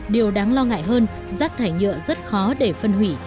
điều đáng lo ngại hơn rác thải nhựa rất khó để phân hủy